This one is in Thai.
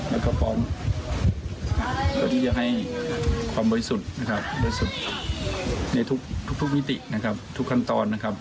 แล้วก็ฟ้อมก็จะให้ความบริสุทธิ์ในทุกวิติทุกขั้นตอนนะครับ